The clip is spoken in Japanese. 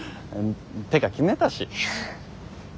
てか決めたし。